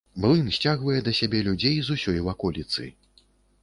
Млын сцягвае да сябе людзей з усёй ваколіцы.